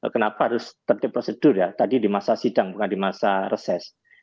kenapa harus tertip prosedur ya tadi di masa sidang bukan di masa reses